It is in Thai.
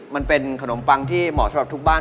มันเป็นขนมปังที่เหมาะสำหรับทุกบ้าน